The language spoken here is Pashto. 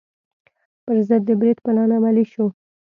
پر ضد د برید پلان عملي شو.